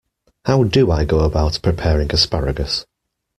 How do I go about preparing asparagus?